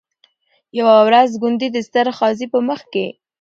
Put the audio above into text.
یوه ورځ ګوندي د ستر قاضي په مخ کي